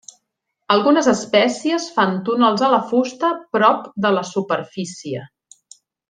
Algunes espècies fan túnels a la fusta prop de la superfície.